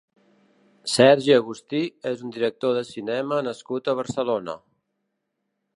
Sergi Agustí és un director de cinema nascut a Barcelona.